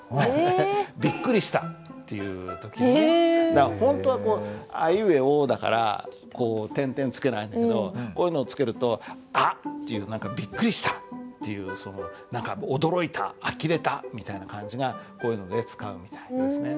だから本当は「あいうえお」だからこう点々付けないんだけどこういうのを付けると「」っていう何かビックリしたっていう何か驚いたあきれたみたいな感じがこういうので使うみたいですね。